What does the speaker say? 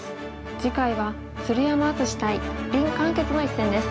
次回は鶴山淳志対林漢傑の一戦です。